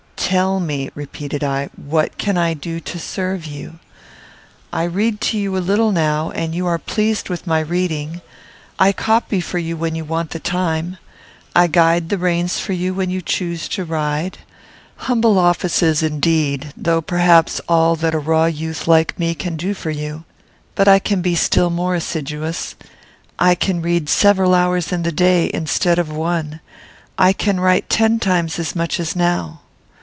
"Tell me," repeated I, "what can I do to serve you? I read to you a little now, and you are pleased with my reading. I copy for you when you want the time. I guide the reins for you when you choose to ride. Humble offices, indeed, though, perhaps, all that a raw youth like me can do for you; but I can be still more assiduous. I can read several hours in the day, instead of one. I can write ten times as much as now.